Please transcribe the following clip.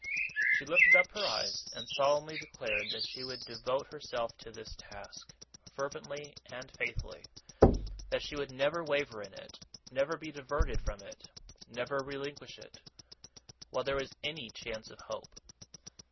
She lifted up her eyes, and solemnly declared that she would devote herself to this task, fervently and faithfully. That she would never waver in it, never be diverted from it, never relinquish it, while there was any chance of hope.